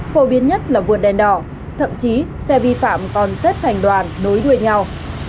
phổ biến nhất là vượt đèn đỏ thậm chí xe vi phạm còn xếp thành đoàn nối đuôi nhau